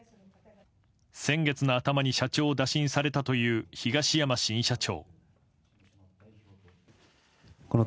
先月の頭に社長を打診されたという東山新社長。